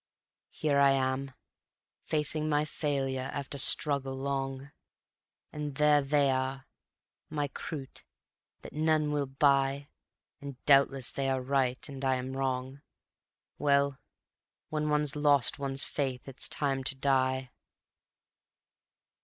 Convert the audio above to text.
here am I, Facing my failure after struggle long; And there they are, my croutes that none will buy (And doubtless they are right and I am wrong); Well, when one's lost one's faith it's time to die.